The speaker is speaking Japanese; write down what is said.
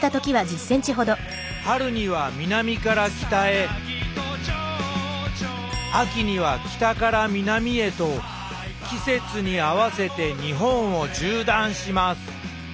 春には南から北へ秋には北から南へと季節に合わせて日本を縦断します。